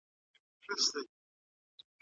تاسو بايد د خپلي خوښي موضوعات په دقت ولولئ.